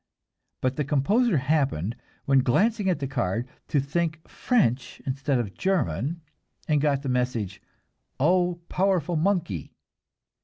But the composer happened, when glancing at the card, to think French instead of German, and got the message, "Oh, powerful monkey!"